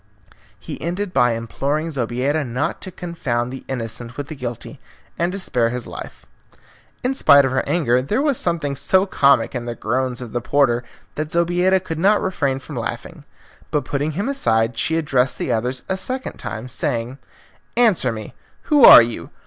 He ended by imploring Zobeida not to confound the innocent with the guilty and to spare his life. In spite of her anger, there was something so comic in the groans of the porter that Zobeida could not refrain from laughing. But putting him aside she addressed the others a second time, saying, "Answer me; who are you?